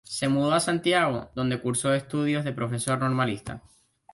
Se mudó a Santiago, donde cursó estudios de profesor normalista.